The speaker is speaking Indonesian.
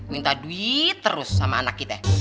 minta duit terus sama anak kita